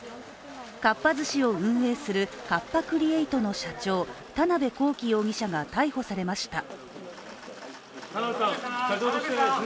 かっぱ寿司を運営するカッパ・クリエイトの社長田辺公己容疑者が逮捕されました。